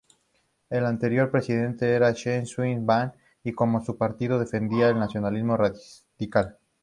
El anterior presidente era Chen Shui-bian y como su partido defendía el nacionalismo radical.